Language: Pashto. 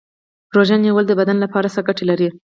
روژه نیول د بدن لپاره څه ګټه لري